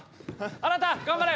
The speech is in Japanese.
あなた頑張れ！